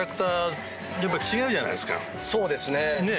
そうですね。